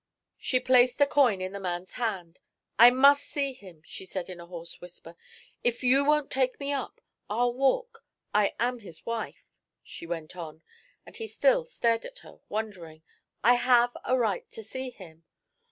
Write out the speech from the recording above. She placed a coin in the man's hand. "I must see him," she said, in a hoarse whisper. "If you won't take me up, I'll walk. I am his wife," she went on, as he still stared at her, wondering. "I have a right to see him."